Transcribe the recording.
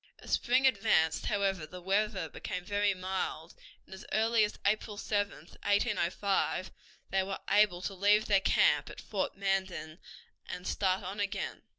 As spring advanced, however, the weather became very mild, and as early as April 7, 1805, they were able to leave their camp at Fort Manden and start on again.